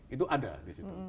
itu ada di situ